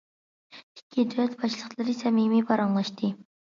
ئىككى دۆلەت باشلىقلىرى سەمىمىي پاراڭلاشتى.